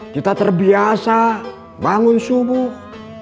kita terbiasa bangun subuh